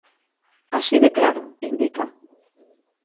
"Así de claro", indica.